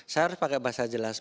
saya harus pakai bahasa jelas